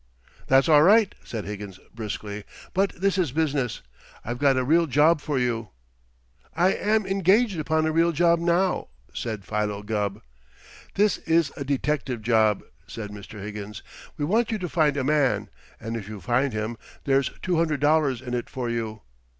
"That's all right," said Higgins briskly, "but this is business. I've got a real job for you." "I am engaged upon a real job now," said Philo Gubb. "This is a detective job," said Mr. Higgins. "We want you to find a man, and if you find him, there's two hundred dollars in it for you.